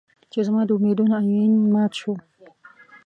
چې زما د امېدونو ائين مات شو